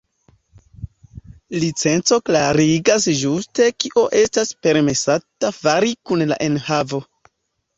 Licenco klarigas ĝuste kio estas permesata fari kun la enhavo.